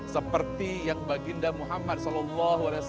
seperti yang baginda muhammad saw